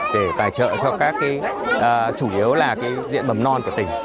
để tài trợ cho các chủ yếu là diện mầm non của tỉnh